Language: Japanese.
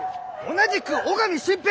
同じく尾上伸平！